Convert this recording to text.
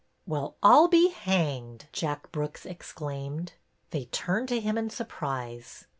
"Well, I'll be hanged!" Jack Brooks exclaimed. They turned to him in surprise.